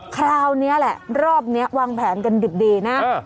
คราวนี้แหละรอบนี้วางแผนกันดิบดีนะ